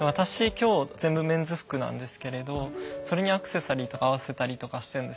今日全部メンズ服なんですけれどそれにアクセサリーとか合わせたりとかしてるんですよ。